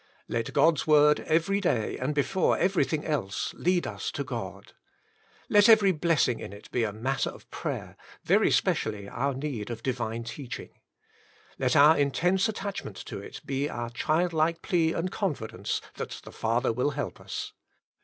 Let GoD^s Word every day, and before everything else, Lead IJs TO God. Let every blessing in it be a matter of prayer, very specially our need of Divine teach ing. Let our intense attachment to it be our child like plea and confidence that the Father will help us.